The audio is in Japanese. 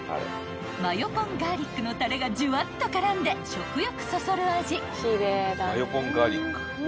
［マヨポンガーリックのたれがじゅわっと絡んで食欲そそる味］